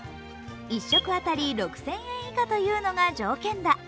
１食あたり６０００円以下というのが条件だ。